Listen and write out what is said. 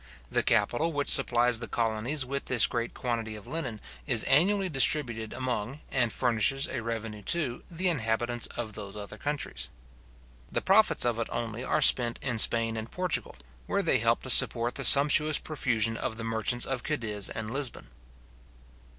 The capital which supplies the colonies with this great quantity of linen, is annually distributed among, and furnishes a revenue to, the inhabitants of those other countries. The profits of it only are spent in Spain and Portugal, where they help to support the sumptuous profusion of the merchants of Cadiz and Lisbon.